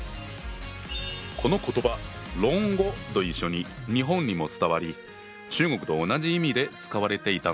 この言葉「論語」と一緒に日本にも伝わり中国と同じ意味で使われていたんだ。